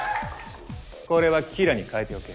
これはキラに変えておけ。